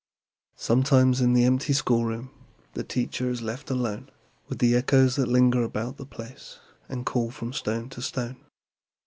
Sometimes, in the empty schoolroom, The teacher is left alone With the echoes that linger about the place And call from stone to stone.